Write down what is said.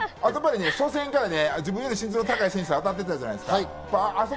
初戦から自分よりも身長の高い選手と当たっていたじゃないですか。